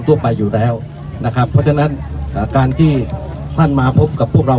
ทั่วไปอยู่แล้วนะครับเพราะฉะนั้นการที่ท่านมาพบกับพวกเรา